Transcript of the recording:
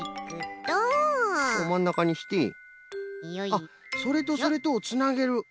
あっそれとそれとをつなげる！